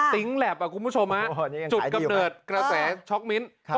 ทิ๊ง็แลบคุณผู้ชม